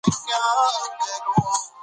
افغانستان د مېوې له امله شهرت لري.